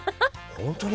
本当に？